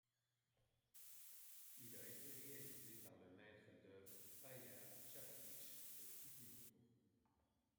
Il a été réalisé par le maître d'œuvre Paja Čarapić de Kupinovo.